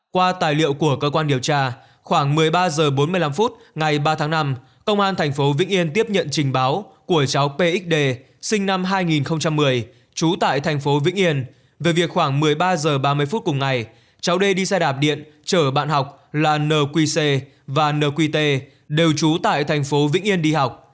qua tài liệu của cơ quan điều tra khoảng một mươi ba h bốn mươi năm ngày ba tháng năm công an thành phố vĩnh yên tiếp nhận trình báo của cháu pxd sinh năm hai nghìn một mươi chú tại thành phố vĩnh yên về việc khoảng một mươi ba h ba mươi cùng ngày cháu d đi xe đạp điện chở bạn học là nqc và nqt đều chú tại thành phố vĩnh yên đi học